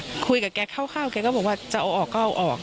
คุยกับแกเข้าดีกว่าจะเอาออกก็เอาออก